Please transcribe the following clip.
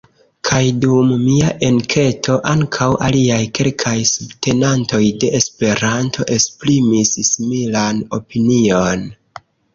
Kaj dum mia enketo, ankaŭ aliaj kelkaj subtenantoj de Esperanto esprimis similan opinion.